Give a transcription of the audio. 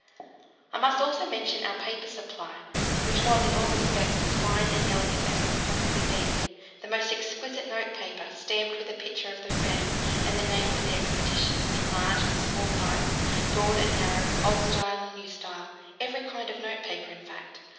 I must also mention our paper supply, which was in all respects as fine and elegant as it could possibly be: the most exquisite notepaper, stamped with a picture of the Fram and the name of the expedition, in large and small size, broad and narrow, old style and new style every kind of notepaper, in fact.